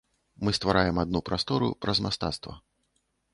Мы ствараем адну прастору праз мастацтва.